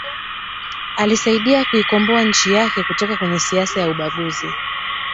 Alisaidia kuikomboa nchi yake kutoka kwenye siasa za ubaguzi